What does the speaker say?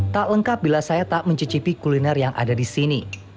tak lengkap bila saya tak mencicipi kuliner yang ada di sini